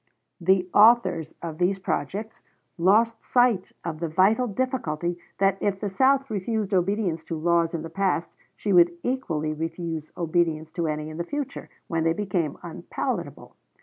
The authors of these projects lost sight of the vital difficulty, that if the South refused obedience to laws in the past she would equally refuse obedience to any in the future when they became unpalatable.